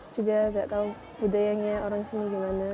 juga gak tau budayanya orang sini gimana